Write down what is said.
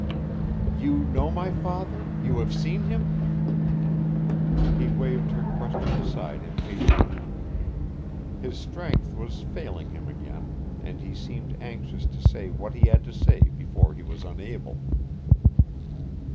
"You know my father you have seen him?" He waived her question aside impatiently. His strength was failing him again and he seemed anxious to say what he had to say before he was unable.